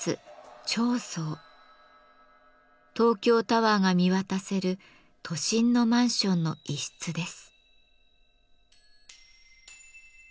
東京タワーが見渡せる都心のマンションの一室です。